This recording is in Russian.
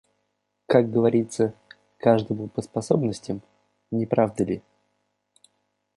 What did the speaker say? Как говорится, каждому по способностям, не правда ли?